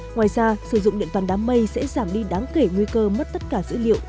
ngoài ra sử dụng điện toàn đám mây sẽ giảm đi đáng kể nguy cơ mất tất cả dữ liệu